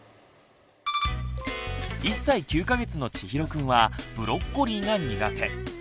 １歳９か月のちひろくんはブロッコリーが苦手。